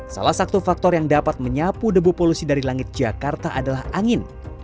salah satu faktor yang dapat menyapu debu polusi dari langit jakarta adalah angin